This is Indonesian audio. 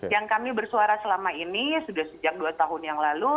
yang kami bersuara selama ini sudah sejak dua tahun yang lalu